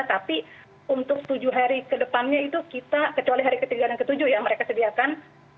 tapi untuk tujuh hari ke depannya itu kita kecuali hari ketiga dan ketujuh ya mereka sediakan